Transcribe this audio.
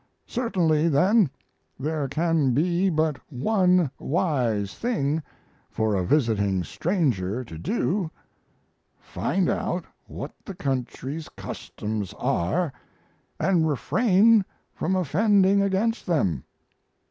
Certainly, then, there can be but one wise thing for a visiting stranger to do find out what the country's customs are and refrain from offending against them.